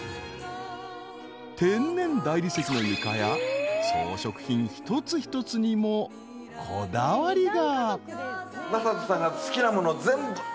［天然大理石の床や装飾品一つ一つにもこだわりが］